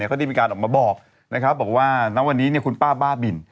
เขาได้มีการออกมาบอกนะครับบอกว่าณวันนี้คุณป้าบ้าบิน